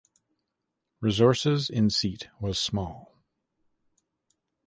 Resources in seat was small.